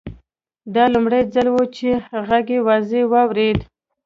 دا لومړی ځل و چې غږ یې واضح واورېد